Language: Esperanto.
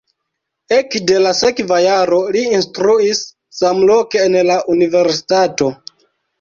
Ekde la sekva jaro li instruis samloke en la universitato.